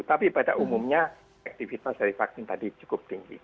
tapi pada umumnya efektivitas dari vaksin tadi cukup tinggi